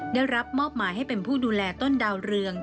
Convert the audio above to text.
ได้รับมอบหมายให้เป็นผู้ดูแลต้นดาวเรือง